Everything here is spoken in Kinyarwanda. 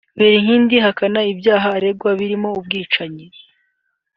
Berinkindi ahakana ibyaha aregwa birimo ubwicanyi